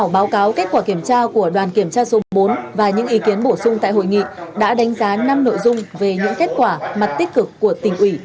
bàn kiểm tra số bốn và những ý kiến bổ sung tại hội nghị đã đánh giá năm nội dung về những kết quả mặt tích cực của tình ủy